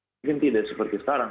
mungkin tidak seperti sekarang